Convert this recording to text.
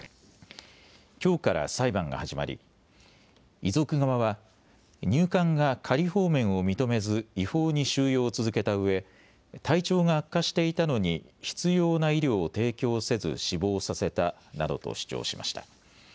きょうから裁判が始まり遺族側は入管が仮放免を認めず違法に収容を続けたうえ体調が悪化していたのに必要な医療を提供せず死亡させたなどと主張しました。